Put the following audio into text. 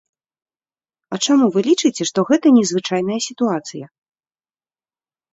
А чаму вы лічыце, што гэта незвычайная сітуацыя?